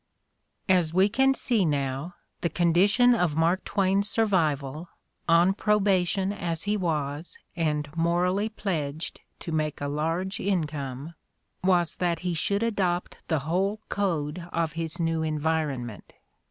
As we can see now, the condition of Mark Twain's survival, on probation as he was and morally pledged to make a large income, was that he should adopt the whole code of his new environment.